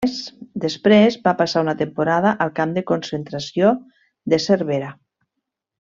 Després, va passar una temporada al camp de concentració de Cervera.